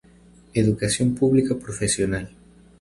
Educación pública profesional.